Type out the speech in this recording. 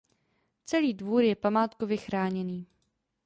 Celý dvůr je památkově chráněný.